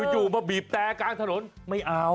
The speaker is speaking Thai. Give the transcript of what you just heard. แล้วจู่คือมาบีบแต่กลางถนนไม่เอา